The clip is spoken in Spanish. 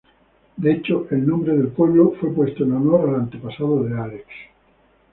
De hecho el nombre del pueblo fue puesto en honor al antepasado de Alex.